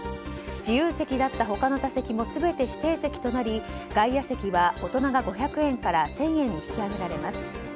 自由席だった他の座席も全て指定席となり外野席は大人が５００円から１０００円に引き上げられます。